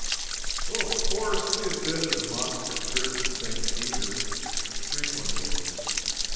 Of course we have been to the monster Church of St. Peter, frequently.